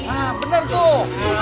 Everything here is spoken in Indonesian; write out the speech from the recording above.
ah benar tuh